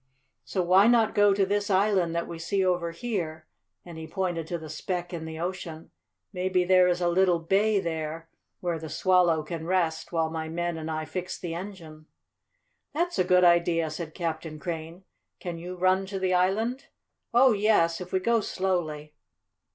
So why not go to this island that we see over there?" and he pointed to the speck in the ocean. "Maybe there is a little bay there where the Swallow can rest while my men and I fix the engine." "That's a good idea," said Captain Crane. "Can you run to the island?" "Oh, yes, if we go slowly."